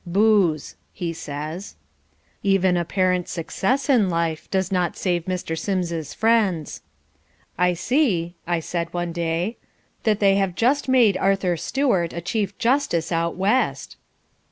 "Booze," he says. Even apparent success in life does not save Mr. Sims's friends. "I see," I said one day, "that they have just made Arthur Stewart a Chief Justice out west."